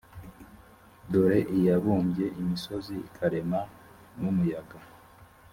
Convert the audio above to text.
dore iyabumbye imisozi ikarema n umuyaga